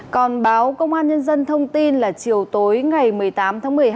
còn báo công an nhân dân thông tin là chiều tối ngày một mươi tám tháng một mươi hai